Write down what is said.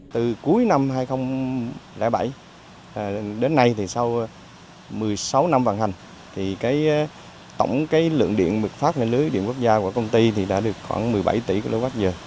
từ cuối năm hai nghìn bảy đến nay thì sau một mươi sáu năm vận hành tổng lượng điện mực phát lên lưới điện quốc gia của công ty đã được khoảng một mươi bảy tỷ kwh